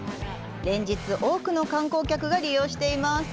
連日、多くの観光客が利用しています。